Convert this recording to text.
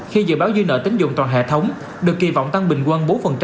khi dự báo dư nợ tính dụng toàn hệ thống được kỳ vọng tăng bình quân bốn